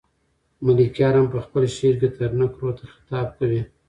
ملکیار هم په خپل شعر کې ترنک رود ته خطاب کوي.